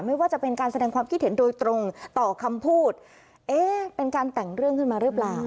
ไม่ว่าจะเป็นการแสดงความคิดเห็นโดยตรงต่อคำพูดเอ๊ะเป็นการแต่งเรื่องขึ้นมาหรือเปล่า